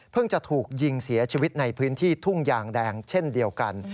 จะถูกยิงเสียชีวิตในพื้นที่ทุ่งยางแดงเช่นเดียวกัน